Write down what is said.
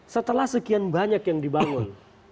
setelah sekian banyak yang dibangun